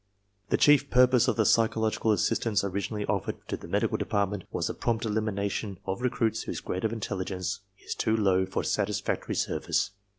The chief purpose of the psychological assistance originally offered to the Medical Department was the prompt elimination of recruits whose grade of intelligence is too low for satisfactory service.